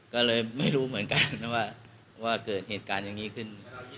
ก็เลยไม่รู้เหมือนกันนะว่าเกิดเหตุการณ์อย่างนี้ขึ้น